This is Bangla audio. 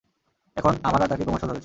এখন, আমারা তাকে প্রমাণসহ ধরেছি।